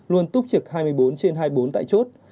luôn túc trực hai mươi bốn trên hai mươi bốn tại chốt